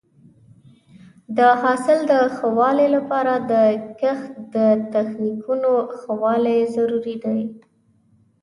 د حاصل د ښه والي لپاره د کښت د تخنیکونو ښه والی ضروري دی.